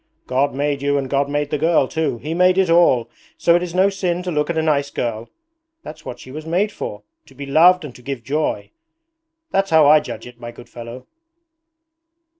God made you and God made the girl too. He made it all; so it is no sin to look at a nice girl. That's what she was made for; to be loved and to give joy. That's how I judge it, my good fellow.'